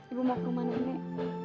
ibu mau kemana nek